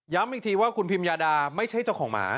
อีกทีว่าคุณพิมยาดาไม่ใช่เจ้าของหมา